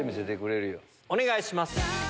お願いします。